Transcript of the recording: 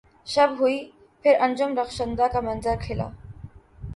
شب ہوئی پھر انجم رخشندہ کا منظر کھلا